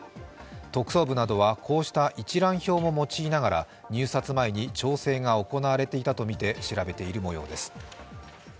特捜部などはこうした一覧表を用いながら入札前に調整が行われていたと見て調べています。